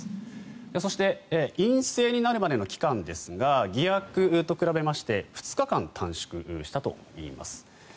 そして陰性になるまでの期間ですが偽薬と比べまして２日間短縮したといいます。